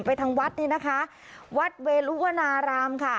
ทางวัดนี่นะคะวัดเวลุวนารามค่ะ